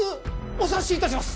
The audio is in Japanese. お察しいたします！